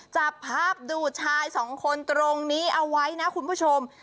จับภาพดูชายสองคนตรงนี้เอาไว้นะคุณผู้ชม